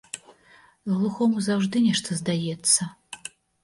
Глухому заўжды нешта здаецца.